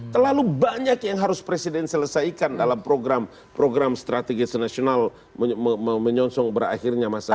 terlalu banyak yang harus presiden selesaikan dalam program strategis nasional menyonsong berakhirnya masa